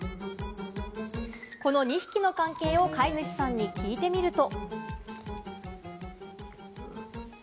この２匹の関係を飼い主さんに聞いてみると。